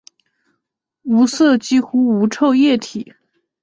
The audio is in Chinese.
无色几乎无臭液体。